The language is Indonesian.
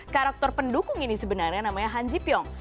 karakter pendukung ini sebenarnya namanya han jipyong